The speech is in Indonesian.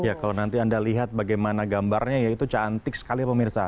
ya kalau nanti anda lihat bagaimana gambarnya ya itu cantik sekali pemirsa